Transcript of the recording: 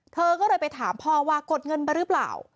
เธอก็เลยไปถามพ่อว่ากดเงินไปหรือเปล่า